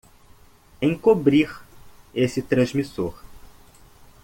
Encobrir esse transmissor!